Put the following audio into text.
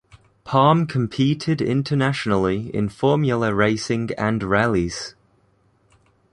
Palm competed internationally in formula racing and rallies.